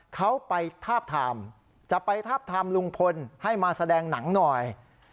เขาไปทาบทามจะไปทาบทามลุงพลให้มาแสดงหนังหน่อย